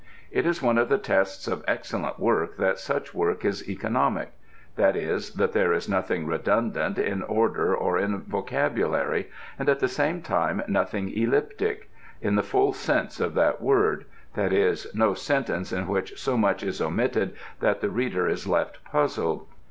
It is one of the tests of excellent work that such work is economic, that is, that there is nothing redundant in order or in vocabulary, and at the same time nothing elliptic in the full sense of that word: that is, no sentence in which so much is omitted that the reader is left puzzled.